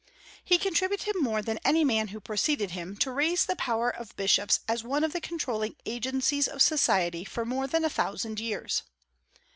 He contributed more than any man who preceded him to raise the power of bishops as one of the controlling agencies of society for more than a thousand years.